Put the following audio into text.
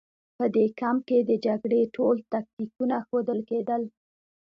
په دې کمپ کې د جګړې ټول تکتیکونه ښودل کېدل